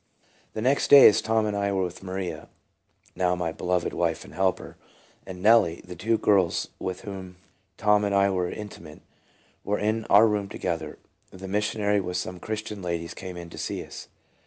THE next day as Tom and I, with Maria, now my beloved wife and helper, and Nellie, the two girls, with whom Tom and I were in timate, were in our room together, the mis sionary with some Christian ladies came in to see us.